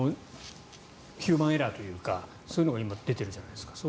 ヒューマンエラーというかそういうのが出ているじゃないでですか。